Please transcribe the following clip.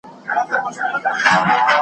چا د آس اوږده لکۍ ور مچوله .